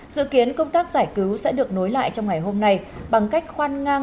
dự kiến công tác giải cứu sẽ được nối lại trong ngày hôm nay bằng cách khoan ngang